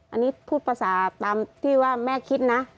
อันนี้พูดภาษาตามที่ว่าแม่คิดนะ